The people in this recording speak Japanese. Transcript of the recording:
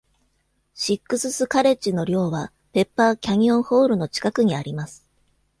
シックスス・カレッジの寮は、ペッパー・キャニオン・ホールの近くにあります。